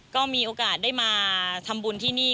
ก็มีโอกาสได้มาทำบุญที่นี่